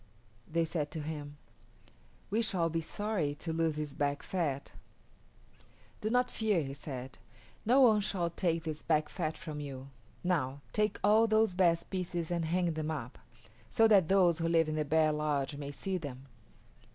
They said to him, "We shall be sorry to lose this back fat." "Do not fear," he said. "No one shall take this back fat from you. Now, take all those best pieces and hang them up, so that those who live in the bear lodge may see them."